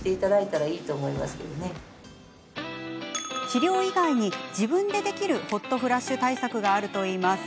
治療以外に、自分でできるホットフラッシュ対策があるといいます。